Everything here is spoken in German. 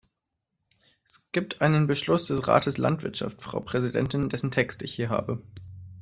Es gibt einen Beschluss des Rates Landwirtschaft, Frau Präsidentin, dessen Text ich hier habe.